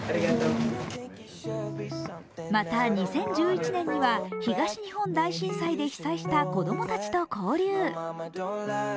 また、２０１１年には東日本大震災で被災した子供たちと交流。